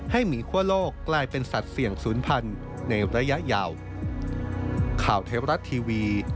หมีคั่วโลกกลายเป็นสัตว์เสี่ยงศูนย์พันธุ์ในระยะยาว